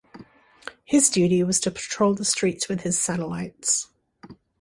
His duty was to patrol the streets with his satellites.